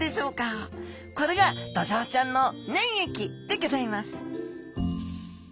これがドジョウちゃんの粘液でギョざいます